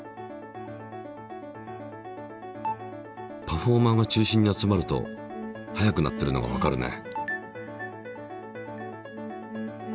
パフォーマーが中心に集まると速くなっているのがわかるね。